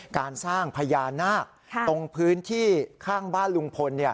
การสร้างพญานาคตรงพื้นที่ข้างบ้านลุงพล